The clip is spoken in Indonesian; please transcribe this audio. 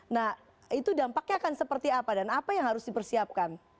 nah itu dampaknya akan seperti apa dan apa yang harus dipersiapkan